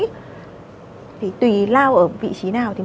thì tùy lao ở vị trí nào thì mình sẽ thấy các cái triệu chứng rất là điển hình